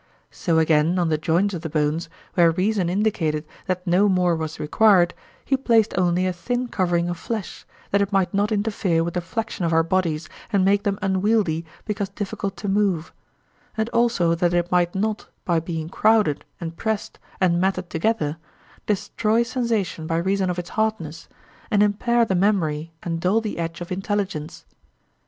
So again on the joints of the bones, where reason indicated that no more was required, he placed only a thin covering of flesh, that it might not interfere with the flexion of our bodies and make them unwieldy because difficult to move; and also that it might not, by being crowded and pressed and matted together, destroy sensation by reason of its hardness, and impair the memory and dull the edge of intelligence.